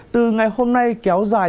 từ ngày hôm nay kéo dài